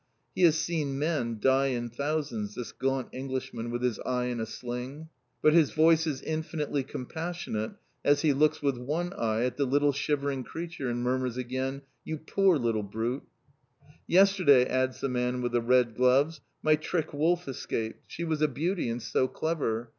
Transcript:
He has seen men die in thousands, this gaunt Englishman with his eye in a sling. But his voice is infinitely compassionate as he looks with one eye at the little shivering creature, and murmurs again, "You poor little brute!" "Yesterday," adds the man with the red gloves, "my trick wolf escaped. She was a beauty, and so clever.